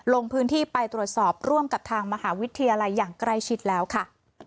ลงพื้นที่ไปตรวจสอบร่วมกับทางมหาวิทยาลัยอย่างใกล้ชิดแล้วค่ะ